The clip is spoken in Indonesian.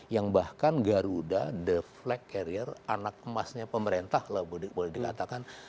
yang bahkan garuda the flag carrier anak emasnya pemerintah lah boleh dikatakan